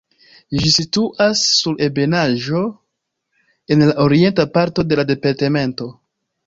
Ĝi situas sur ebenaĵo en la orienta parto de la departemento.